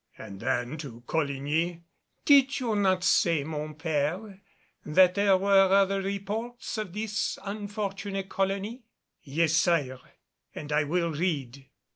And then to Coligny, "Did you not say, mon père, that there were other reports of this unfortunate colony?" "Yes, sire, and I will read."